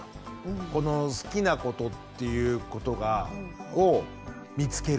この好きなことっていうことを見つける。